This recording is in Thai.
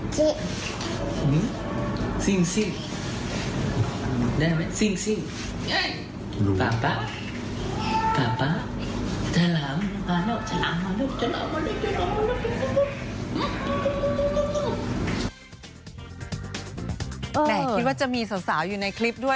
คิดว่าจะมีสาวอยู่ในคลิปด้วย